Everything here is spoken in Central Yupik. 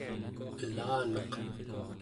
elaneq